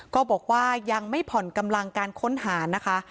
ก็บอกว่ายังไม่ผ่อนกำลังการค้นหานะคะ